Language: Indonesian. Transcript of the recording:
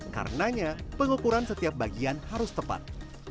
karenanya pengukuran setiap bagian harus tepat